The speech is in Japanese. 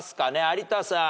有田さん。